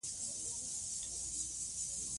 چې ادبيات خو بهترينه پوهنځۍ ده.